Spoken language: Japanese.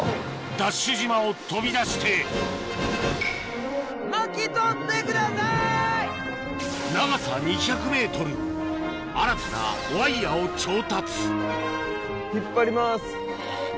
ＤＡＳＨ島を飛び出して長さ２００ｍ新たなワイヤを調達引っ張ります。